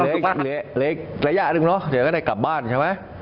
เหลืออีกระยะหนึ่งเนาะเดี๋ยวก็ได้กลับบ้านใช่ไหม